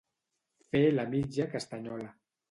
Fer la mitja castanyola.